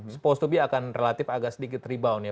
spose to be akan relatif agak sedikit rebound ya